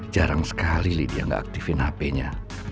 jarang sekali lidia gak aktifin hpnya